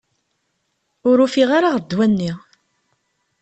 Ur ufiɣ ara ɣer ddwa-nni.